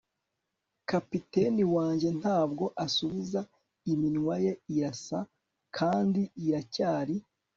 kapiteni wanjye ntabwo asubiza, iminwa ye irasa kandi iracyari